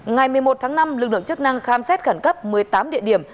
ngày một mươi một tháng năm lực lượng chức năng khám xét khẩn cấp một mươi tám địa điểm